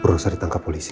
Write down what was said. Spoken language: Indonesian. bu rosa ditangkap polisi